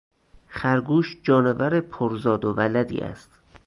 خرگوش جانور پر زاد و ولدی است.